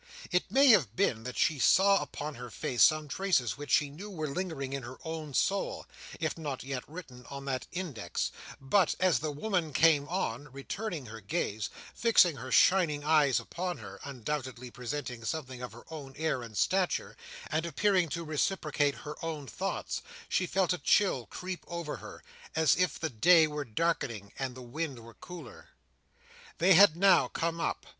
It may have been that she saw upon her face some traces which she knew were lingering in her own soul, if not yet written on that index; but, as the woman came on, returning her gaze, fixing her shining eyes upon her, undoubtedly presenting something of her own air and stature, and appearing to reciprocate her own thoughts, she felt a chill creep over her, as if the day were darkening, and the wind were colder. They had now come up.